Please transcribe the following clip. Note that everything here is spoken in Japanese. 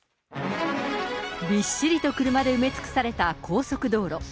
びっしりと車で埋め尽くされた高速道路。